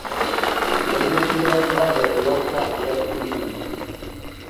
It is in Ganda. Pulojekiti ya Uganda ey'okutangira siriimu.